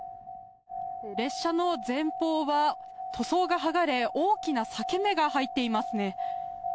列車の前方は塗装が剥がれ大きな裂け目が入っていますね。